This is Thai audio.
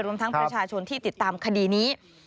รวมทั้งประชาชนที่ติดตามคดีนี้